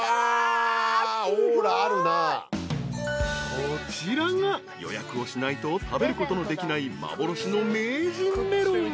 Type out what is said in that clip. ［こちらが予約をしないと食べることのできない幻の］